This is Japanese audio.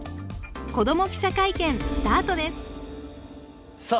子ども記者会見スタートですさあ